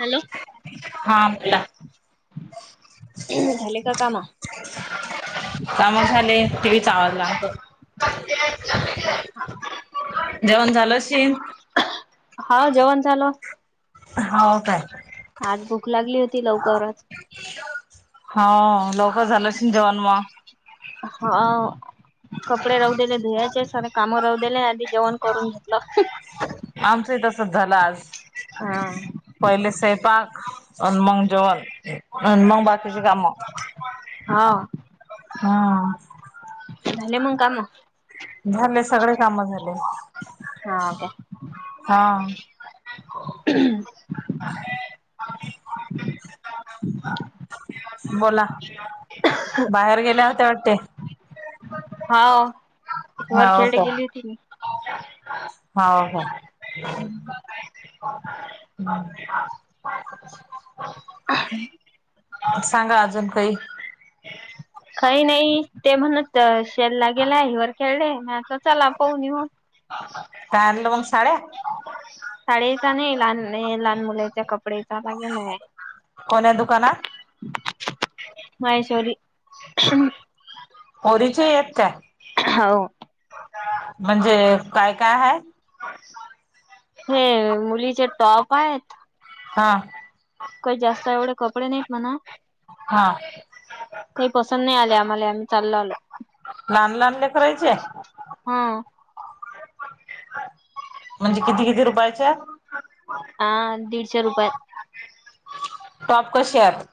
Hello हा बोला झाले का कामं? काम झाले, टीव्ही चा आवाज लहान कर. हा जेवण झालं अशीन हाव जेवण झालं. हाव काय आज भूक लागली होती लवकरच. हा लवकर झालं असीन जेवण म. हा कपडे राहु देले घुवाचे सारे कामं राऊ देले आधी जेवण करून घेतलं. आमचंही तसच झालं आज. हा पयले सैपाक अन मंग जेवन. हं हा हां झाले मंग कामं? झाले सगळे कामं झाले. हा काय. हा. [unintelligible] बोला बाहेर गेल्या होत्या वाटते. हा हिवर हाव खेळडे का गेली होती मी हाव का. हम्.. सांगा अजून काही काही नाही, ते म्हणत शेल लागेलाय वरखडेला ना, चला पाहुन येऊ. काय आणल मग, साड्या साड्या इत नाही, लहान -लहान मुलायचा कपडे लागे नाय कोण्या.. दुकानात. महेश्वरी पोरीचे येत त्या हाव म्हणजे काय... काय.. हाय? हे मुलीचे टॉप आहेत. हा कही जास्त एवढे कपडे नाहीत म्हणा. हा काही पसंत नाही आले आम्हाला, आम्ही चालो आलो. लहान -लहान लेकराचे. हा.. ओ.. म्हणजे किती -किती रुपयाच्या हा.. दीडशे रुपयात टॉप कसे आहेत?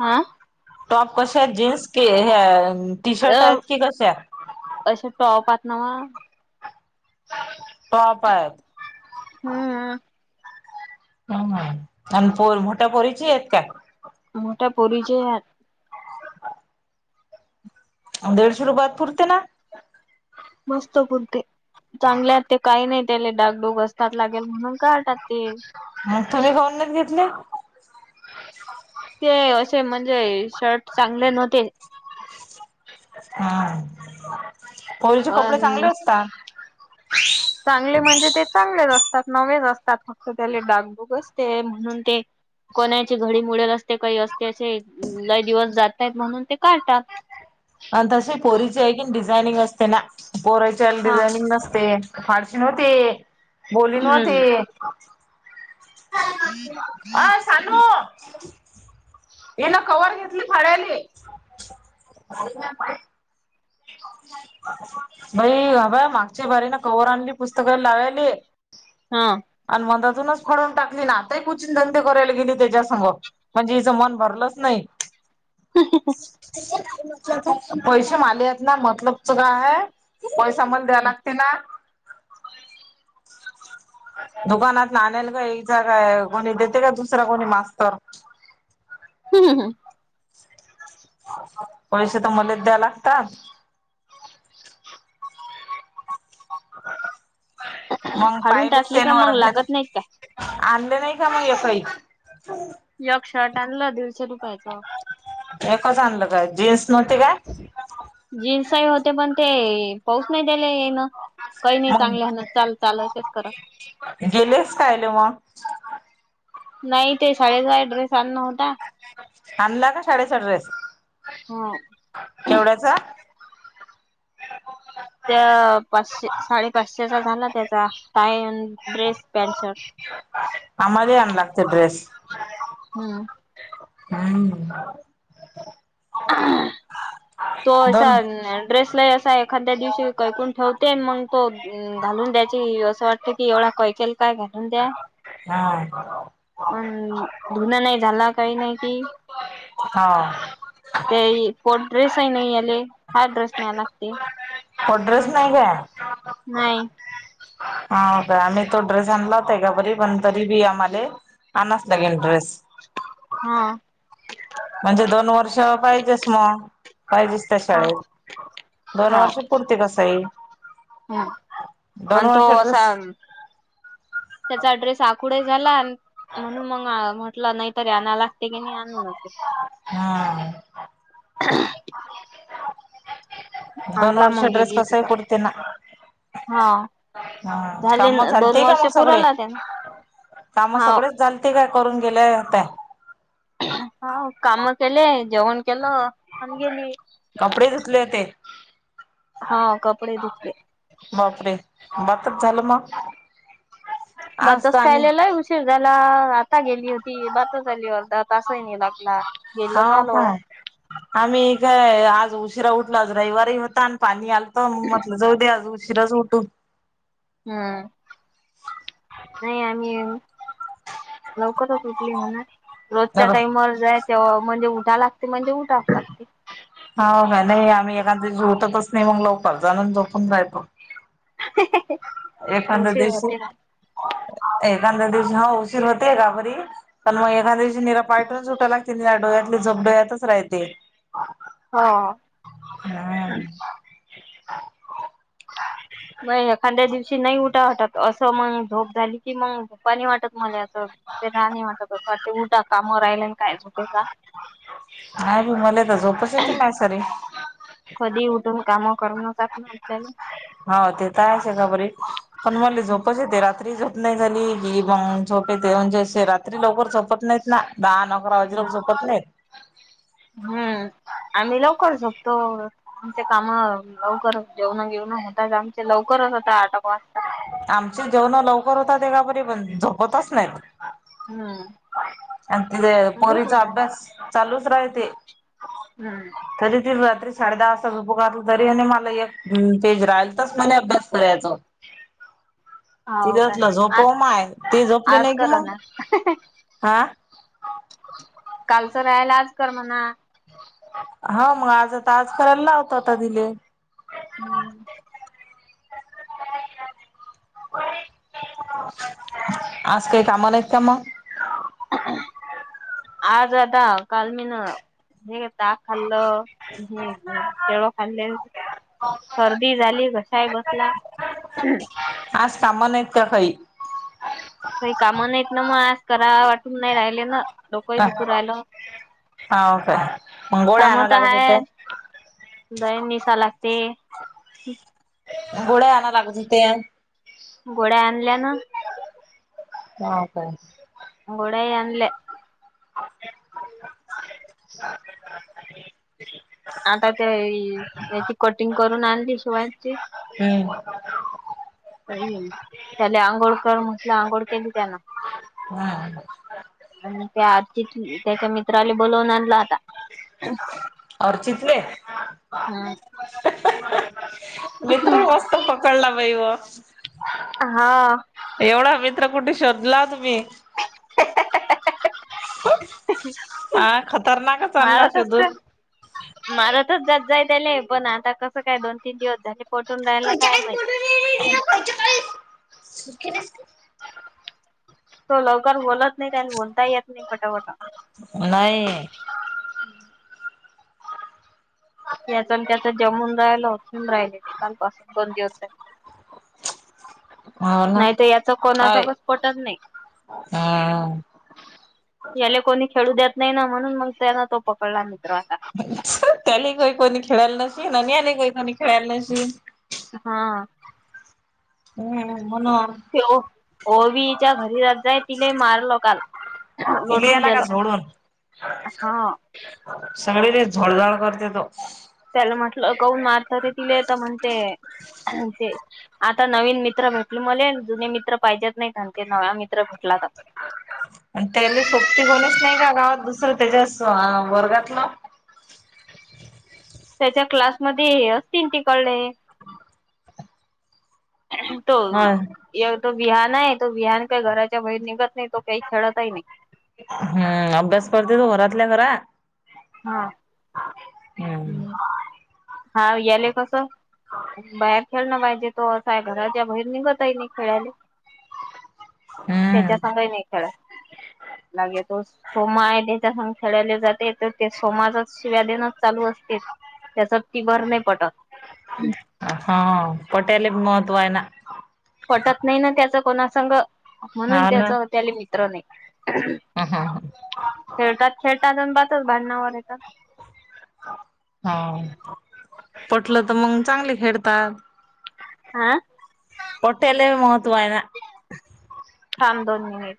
हा टॉप कसे आहेत जीन्स की.. हे.. टी अ शर्ट आहेत की कशा? असे टॉप हायत नव्ह टॉप आहेत. हम्म हु... अ.. अन् पोर.. मोठ्या पोरीचे आहेत का? मोठ्या पोरीचे दीडशे रुपयात पुरते ना? मस्त पुरते चांगले आहेत ते काही नाही त्याले डागडूग असतात, लागेल म्हणून काड टाकते. मग तुम्ही का ऑनलाईन घेतले? ते.. असे म्हणजे य.. शर्ट चांगले नव्हते. हा.. पोरीचे अ कपडे चांगले असतात. चांगले म्हणजे ते चांगलेच असतात, नवी असतात फक् त्याले डाग -डुग असते म्हणून ते. कोणाची घडी मुडेल असते काही असते असे, ल.. लय दिवस जात नाही म्हणून ते काडतात. आणि तसे पोरीचे आहे की डिझायनिंग असते ना, पोऱयची हा डिझायनिंग नसते. फारशे नव्हते, बोलीन हम्म होते. ओ.. सांगा हो ईन कवर घेतली, फाडाली बई हबा मागच्या बारीन कवर आणली पुस्तक लावायली हा आणि मधातूनच फाडून टाकली ना आताही कुचन जे करायला गेली त्याच्यासमोर. म्हणजे हिचं मन भरलंच नाही. पैसे माले आहेत ना, मतलब च.. काय.. पैसा मल द्यावा लागते ना दुकानात ना आणल का हिचा काय... कोणी देते का दुसरा कुणी मास्तर हम.. हम.. हम पैसे तर मलेच द्याव लागतात. [unintelligible] फाडून टाकली का मग लागत नाहीत आणले नाही का मग कई? यक शर्ट आणलं दीडशे रुपयाचं. एकच आणल काय, जीन्स नव्हती काय? जीन्स नई होते पण ते... पाोऊध्ये त्याले ईना काही नाही.. चांगले आणा, चाल.. चाल.. चेक करा. गेलेस कायले मग? नाही ते शाळचा ड्रेस आण होता. आणला का शाळेचा ड्रेस? हो केवढ्याचा? त्या.. य.. पाचशे.. साडेपाचशेचा झाला त्याचा टायन ड्रेस पॅन्ट -शर्ट आम्हाला आणा लागते ड्रेस हम्म हम्म ह्ह्ह्ह.. तो असा दोन अ.. न... ड्रेसला असा आहे. खांद्या दिवशी काय कोण ठेवते.. मग कोण, घालून द्यायची असं वाटत की एवढा कै केल काय घालून द्या. हा अन्... धुन नाही झाला.. काही नाही की हा ते.. कोण ड्रेस ही नाही आले, हा ड्रेस न्याय लागते. वो ड्रेस नाही गया. नाही हा... काय आम्ही तो ड्रेस आणला होता एक बरी पण तरी बी आम्हाले आणास लागेल ड्रेस हा म्हणजे दोन वर्ष पाहिजेस मग, पाहिजे. त्या हा शाळेत, दोन वर्ष पुरती कसंय हम्म.. अन् तो असा त्याचा ड्रेस आकूड ही झाला. म्हणून मग अ.. म्हटलं नाहीतरी आणायला लागते की नाही आणूणा ते. हा दोन आणला वर्ष म‌ग जे ड्रेस जे कसंही तिथं, पुरते ना हा हा.... झाले काम दोन झालते का वर्ष मग सगळे? पुरवला त्यान काम हा सगळेच झाल ते काय करून गेल्याय होतंय. हा.. व.. काम ते लई है, जेवण केलो आणि गेली. कपडे धुतले होते. हा.. व.. कपडे धुतले. बापरे.. बातच झालं मग आज बातस तर आम्ही खायलेला उशीर झाला आ.. आता गेली होती बातस आली अर्धात. हा.. व काय? आम्ही काय आज उशिरा उठलो आज रविवारी होतान. पाणी आलत मग म्हटलं जाऊ दे आज उशीराच उठू. हम्म. नाही आम्ही, लवकरच उठली म्हणा रोजच्या टाईमवर जाय तेव्हा म्हणजे उठा लागते म्हणजे उठाच लागते. हाव का नाही आम्ही एखादशी उटतच नाही मग लवकर, जाणून जोपून रहातो. हेहहे. एखाद्या दिवशी, एखाद्या दिवशी हा उशीर होते गाबरी. कारण मग एखाद्या दिवशी निरा पायटच उटाय लागते निरा डोळ्यात झोप डोळ्यातच राहते. [inaudible] हम्म. मग एखाद्या दिवशी नाही उठा वाटत असं मग झोप झाली की मग झोपा नाही वाटत मला. ते राणी म्हणत तसं वा उठा कामावर राहिला आणि काय का? नाही भी मला तर झोपच येते नाही सरी. कधी उठून काम करूनच मग काय. हो ते तर आहेच आहे खबरी पण मला झोपच येत रात्रीच झोप नाही झाली की मग झोपेत म्हणजे असे रात्री लवकर झोपत नाहीत ना दहा नऊ अकरा वाजे लोक झोपत नाही. हम्म, आम्ही लवकर झोपतो. आमचे काम लवकर जेवण घेऊन होताच आमचे लवकरच होता आठ एक वाजता. आमचे जेवण लवकर होता ते, कापरी पण झोपतच नाहीत हम्म. आणि तिथे झोपून पोरीचा जा. अभ्यास चालूच राहते. हम्म तरी त रात्री साडे दहा वाजता उपकारला, तरी आणि मला एक पेज राहिल तरच मणे अभ्यास करायच. [inaudible] हो का आज, झोपव माय ते झोपले आज नाही की कर मग ना. हा कालचं राहायला आज कर म्हणा. हो मग आजता आज करायला लावतो आता तिले. हम्म. आज काई काम नाहीत का मग? आज आता काल मीन हे काय खाल्ल? हे केळ खाले. सर्दी झाली घशाय बसला. आज कामा नाहीत का काही? आज काही काम नाहीत ना मग आज बरा वाटून नाही राहिले ना. डोकही दुखु राहिलं, हाव काय मग गोळ्या काम आणाव तर लागत होत्या हाय. जाईन निसाय लागते. घोडा आनाय लागत होते. घोड्या आणल्या ना? वापास. गोड्या ही आणले. [inaudible] आता त्या याची कटिंग करून आणली शिवायची. हम्म. त्याला आंघोळ कर म्हंटलं आंघोळ केली त्याना. हा. आणि त्या आज त्याच्या मित्राले बोलवून आणला आता. ऑर्चिटले ह्.. ह्ह... मित्र मस्त पकडला बाई व हा एवढा मित्र कुठ शोधला तुम्ही? ह्ह्हह्ह.... ह्ह हा.. खतरनाकच आणला शोधून. मारतच जात जाय त्याले हे पण आता काय.. दोन- तीन दिवस झाले पटून रायला काय माहित. [unintelligible] तो लवकर बोलत नाही आणि बोलताही येत नाही पटा.. पटा नाही या त्याचा जमून राहायल [unintelligible] राहिले ते कालपसून, दोन दिवस झाले. हो ना नाहीत याच कोणा हाय सोबत पटत नाही. हम्म याले कोणी खेळू देत नाही ना म्हणून मग त्याना तो पकडला मित्राला. ह्.. त्याले कोणी खेळाल नसेल आणि ह्याले कोणी खेळायला नसी हा हम्म.. म्हणून त्यो... ओवीच्या घरी जात जाय तिले मारलो काल तिले लोटून आला का दिलो, सोडून हा.. सगळे ते झोळझाळ करतेत. त्याला म्हटलं कौन मारत तिले तर म्हणते... हृ.. ते आता नवीन मित्र भेटले मले जुने मित्र पाहिजेत नाही कारण ते नव्या मित्र भेटलाता. आणि त्याले सोपती कोणीच नाही का गावात घुसल त्याच्या आ.. वर्गातलं. त्याच्या क्लास मध्यी असतीन तिकडले.. हृ.. तो हा एव तो विहान आहे तो विहान काही घराच्या बहीर निघत नाही तो काही खेळतही नाही. हम्म.. अभ्यास करते तू घरातल्या घरात. हा हम् हा.. याले बग बाहेरच्याना माहिती तो असा आहे, घराच्या बाहेर निघतय नाही खेळाले.. त्याच्या हम्म संगही नाही. खेळा चहा घेतोस? ओ माय त्याच्या सग खेळाले जाते तर ते सोमाचाच शिव्या देणं. चालू असतेत, त्याच ती भर नाही पटत. हा.. पटायलेच महत्व आहे ना. पटत नाही ना त्याचा कोणा संग, म्हणून हा त्याच ना त्याले मित्र नाही. हृहृ.. ह ह खेळतात.. खेळतात.. अण बातच भांडणावर येतात. हा.. व.. पटलं तर मग चांगले खेडतात. हा पटाले महत्त्व आहेय ना? थांब दोन मिनिट